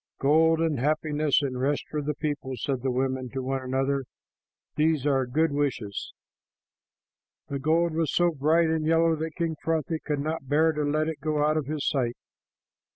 "Gold and happiness and rest for the people," said the women to one another. "Those are good wishes." The gold was so bright and yellow that King Frothi could not bear to let it go out of his sight.